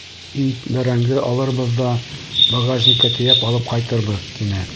Ит, бәрәңге алырбыҙ ҙа, багажникка тейәп алып ҡайтырбыҙ, тине.